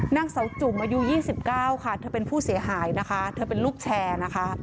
นางเสาจุ่มอายุ๒๙ค่ะเธอเป็นผู้เสียหายนะคะเธอเป็นลูกแชร์นะคะ